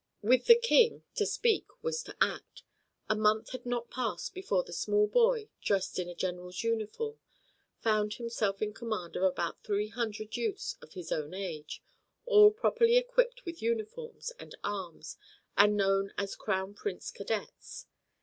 With the King to speak was to act. A month had not passed before the small boy, dressed in a general's uniform, found himself in command of about three hundred youths of his own age, all properly equipped with uniforms and arms, and known as "The Crown Prince Cadets."